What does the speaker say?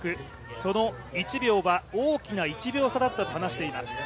その１秒は大きな１秒差だったと話しています。